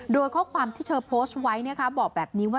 โดยข้อความที่เธอโพสต์ไว้นะคะบอกแบบนี้ว่า